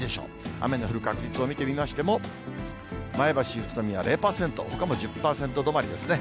雨の降る確率を見てみましても、前橋、宇都宮０％、ほかも１０％止まりですね。